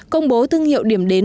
công bố thương hiệu điểm đến